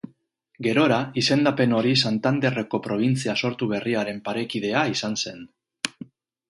Gerora, izendapen hori Santanderreko probintzia sortu berriaren parekidea izan zen.